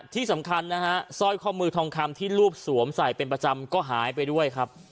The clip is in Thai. ที่สำคัญนะฮะสร้อยข้อมือทองคำที่ลูกสวมใส่เป็นประจำก็หายไปด้วยครับ